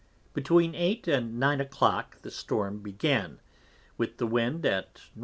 _ Between 8 and 9 a Clock the Storm began, with the Wind at N.W.